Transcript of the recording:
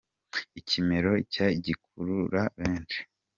ikimero cye gikurura benshi